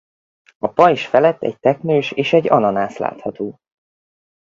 A pajzs felett egy teknős és egy ananász látható.